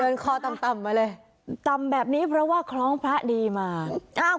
คอต่ำต่ำมาเลยต่ำแบบนี้เพราะว่าคล้องพระดีมาอ้าว